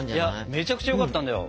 めちゃくちゃよかったんだよ！